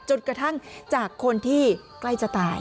จนกระทั่งจากคนที่ใกล้จะตาย